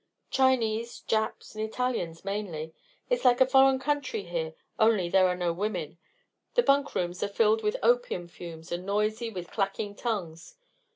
"Chinese, Japs, and Italians, mainly. It's like a foreign country here, only there are no women. The bunk rooms are filled with opium fumes and noisy with clacking tongues.